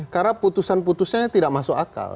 karena putusan putusannya tidak masuk akal